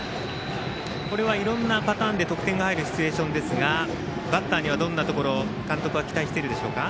いろんなパターンで得点が入りますがバッターには、どんなところ監督は期待しているでしょうか。